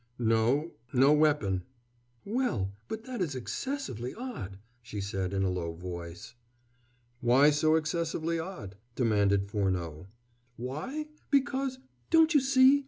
"No no weapon." "Well, but that is excessively odd," she said in a low voice. "Why so excessively odd?" demanded Furneaux. "Why? Because don't you see?